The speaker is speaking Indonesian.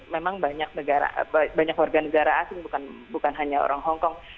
memang banyak warga negara asing bukan hanya orang hongkong